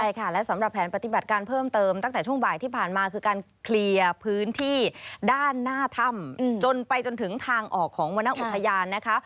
ใช่ค่ะและสำหรับแผนปฏิบัติการเพิ่มเติมตั้งแต่ช่วงบ่ายที่ผ่านมาคือการเคลียร์พื้นที่ด้านหน้าถ้ำจนไปจนถึงทางออกของวรรณอุทยานนะคะ